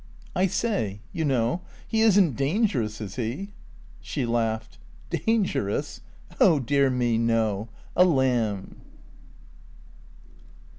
"I say, you know, he isn't dangerous, is he?" She laughed. "Dangerous? Oh dear me, no! A lamb."